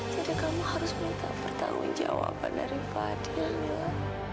jadi kamu harus minta bertanggung jawaban dari fadil mila